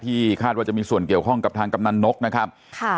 คาดว่าจะมีส่วนเกี่ยวข้องกับทางกำนันนกนะครับค่ะ